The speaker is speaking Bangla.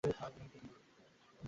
স্ত্রী আগন্তুকের প্রশংসা করলেন।